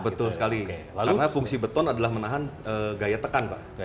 betul sekali karena fungsi beton adalah menahan gaya tekan pak